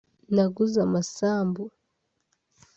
naguze amasambu